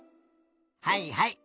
はいはい。